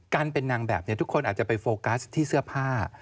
เป็นนางแบบนี้ทุกคนอาจจะไปโฟกัสที่เสื้อผ้า